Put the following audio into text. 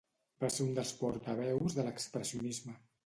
Va ser un dels portaveus de l'expressionisme.